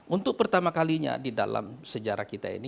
untuk pertama kalinya di dalam sejarah kita ini